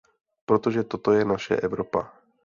Protože toto je naše Evropa.